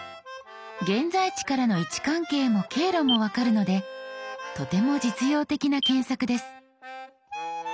現在地からの位置関係も経路も分かるのでとても実用的な検索です。